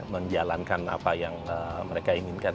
menjalankan apa yang mereka inginkan